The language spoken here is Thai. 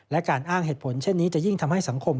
และการอ้างเหตุผลเช่นนี้จะยิ่งทำให้สังคม